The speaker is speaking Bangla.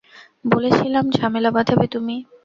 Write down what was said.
বলেছিলাম ঝামেলা বাঁধাবে তুমি।